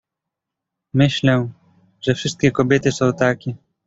"Myślę, że wszystkie kobiety są takie."